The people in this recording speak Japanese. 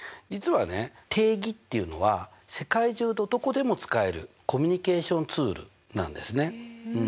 実はね定義っていうのは世界中どこでも使えるコミュニケーションツールなんですね。